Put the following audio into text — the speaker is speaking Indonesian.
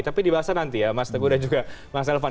tapi dibahas nanti ya mas teguh dan juga mas elvan